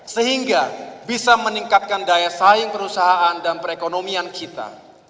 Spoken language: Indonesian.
sehingga bisa meningkatkan daya saing perusahaan dan perekonomian kita